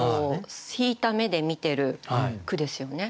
引いた目で見てる句ですよね。